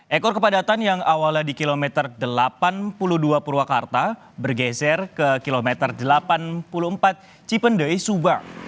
ekor kepadatan yang awalnya di kilometer delapan puluh dua purwakarta bergeser ke kilometer delapan puluh empat cipendoy subang